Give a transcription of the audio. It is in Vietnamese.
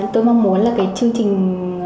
tôi mong muốn là chương trình